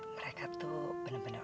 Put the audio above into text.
mereka tuh bener bener